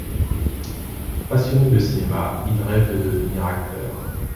Passionné de cinéma, il rêve de devenir acteur.